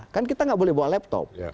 kan kita nggak boleh bawa laptop